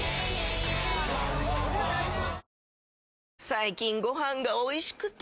最近ご飯がおいしくて！